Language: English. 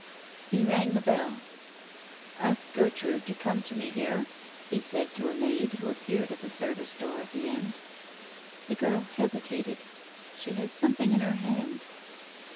He rang the bell. " Ask Gertrude to come to me here," he said to a maid who appeared at the service door at the end. The girl hesitated. She had something in her hand.